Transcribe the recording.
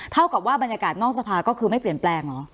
เท่ากับว่าบรรยากาศนอกสภาก็คือไม่เปลี่ยนแปลงเหรอ